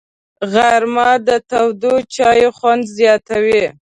غرمه د تاوده چای خوند زیاتوي